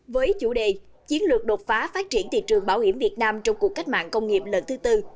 với chủ đề chiến lược đột phá phát triển thị trường bảo hiểm việt nam trong cuộc cách mạng công nghiệp lần thứ tư